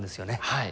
はい。